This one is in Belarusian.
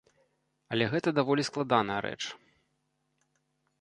Але гэта даволі складаная рэч.